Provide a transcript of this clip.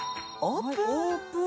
オープン！